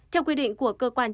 theo quy định của cơ quan